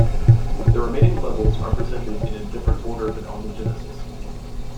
The remaining levels are presented in a different order than on the Genesis.